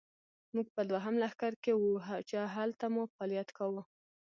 موږ په دوهم لښکر کې وو، چې هلته مو فعالیت کاوه.